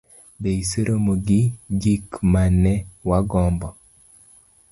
Be iseromo gi gik ma ne wagombo?